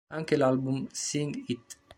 Anche l'album "Sing It!